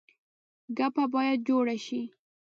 ګپه باید جوړه شي.